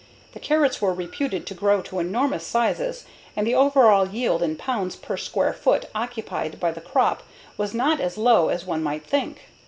The carrots were reputed to grow to enormous sizes, and the overall yield in pounds per square foot occupied by the crop was not as low as one might think.